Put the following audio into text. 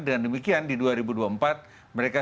dan demikian di dua ribu dua puluh empat mereka